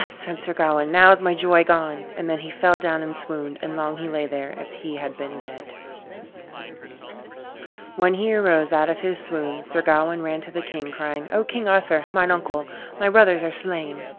said Sir Gawain, "now is my joy gone." And then he fell down and swooned, and long he lay there as he had been dead. When he arose out of his swoon Sir Gawain ran to the king, crying, "O King Arthur, mine uncle, my brothers are slain."